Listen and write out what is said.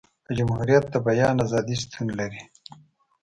په جمهوريت د بیان ازادي شتون لري.